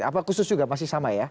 apa khusus juga pasti sama ya